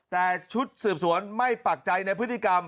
แต่ชุดสืบสวนไม่ปักใจในพฤติกรรม